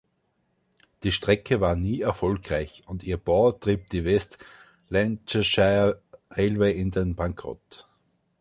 Die Strecke war nie erfolgreich und ihr Bau trieb die West Lancashire Railway in den Bankrott.